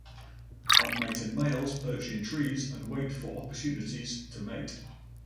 Unmated males perch in trees and wait for opportunities to mate.